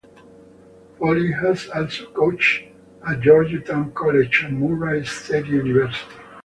Polly has also coached at Georgetown College and Murray State University.